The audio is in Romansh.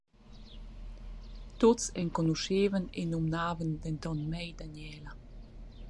Tuts enconuschevan e numnavan denton mei Daniela.